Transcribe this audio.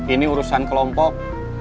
ini urusan kelompok